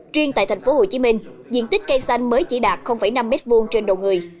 truyền tại thành phố hồ chí minh diện tích cây xanh mới chỉ đạt năm m hai trên đầu người